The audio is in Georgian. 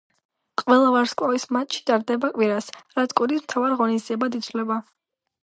ყველა-ვარსკვლავის მატჩი ტარდება კვირას, რაც კვირის მთავარ ღონისძიებად ითვლება.